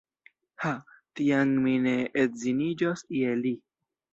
Ha! tiam mi ne edziniĝos je li.